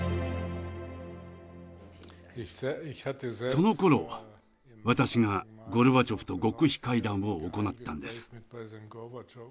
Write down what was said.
そのころ私がゴルバチョフと極秘会談を行ったんです。